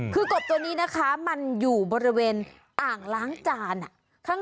คือกบตัวนี้นะคะมันอยู่บริเวณอ่างล้างจาน